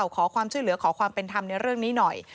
ขอความช่วยเหลือขอความเป็นธรรมในเรื่องนี้หน่อย